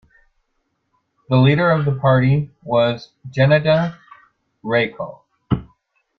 The leader of the party was Gennady Raikov.